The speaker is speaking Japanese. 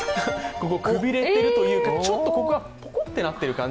ここ、くびれてるというか、ちょっとここがぽこっとなっている。